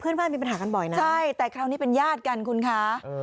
เพื่อนบ้านมีปัญหากันบ่อยนะใช่แต่คราวนี้เป็นญาติกันคุณคะ